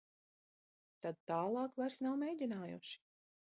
Tad tālāk vairs nav mēģinājuši.